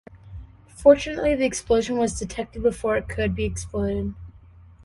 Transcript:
Fortunately, the explosive was detected before it could be exploded.